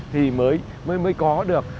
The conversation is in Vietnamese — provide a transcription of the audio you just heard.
thì mới có được